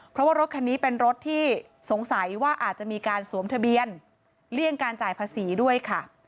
เพราะว่ารถคันนี้เป็นรถที่สงสัยว่าอาจจะมีการสวมทะเบียนเลี่ยงการจ่ายภาษีด้วยค่ะ